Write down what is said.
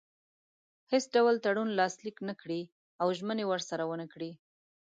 هیڅ ډول تړون لاسلیک نه کړي او ژمنې ورسره ونه کړي.